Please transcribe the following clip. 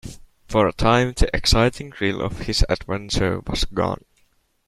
For a time the exciting thrill of his adventure was gone.